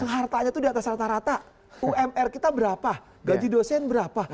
hartanya itu di atas rata rata umr kita berapa gaji dosen berapa